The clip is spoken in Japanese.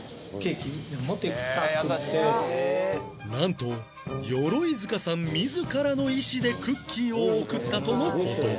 なんと鎧塚さん自らの意思でクッキーを贈ったとの事